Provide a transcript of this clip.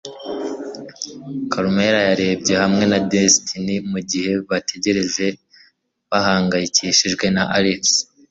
Carmen yarebye hamwe na Destiny mugihe bategereje bahangayikishijwe na Alex.